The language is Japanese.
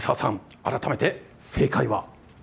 改めて正解は。